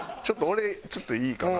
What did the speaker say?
ちょっと俺いいかな？